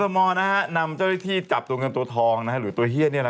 กฐมอลนำเจ้าหน้าที่จับเท่าที่ริกฎาคะตัวเฮีย